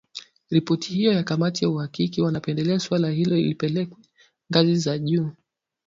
Ripoti hiyo ya kamati ya uhakiki wanapendelea suala hilo lipelekwe ngazi ya juu zaidi.